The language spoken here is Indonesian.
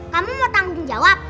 kamu mau tanggung jawab